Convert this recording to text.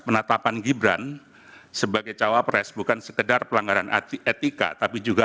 penetapan gibran sebagai cawapres bukan sekedar pelanggaran etika tapi juga